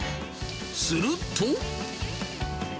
すると。